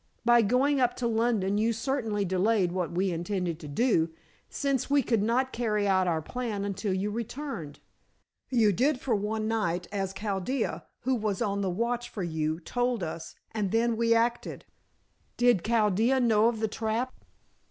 By going up to London you certainly delayed what we intended to do, since we could not carry out our plan until you returned. You did for one night, as Chaldea, who was on the watch for you, told us, and then we acted." "Did Chaldea know of the trap?"